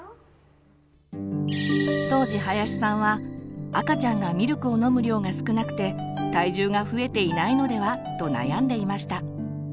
当時林さんは「赤ちゃんがミルクを飲む量が少なくて体重が増えていないのでは？」と悩んでいました。